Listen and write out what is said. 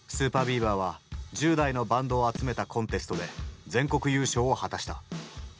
ＳＵＰＥＲＢＥＡＶＥＲは１０代のバンドを集めたコンテストで全国優勝を果たした。